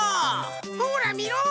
ほらみろ！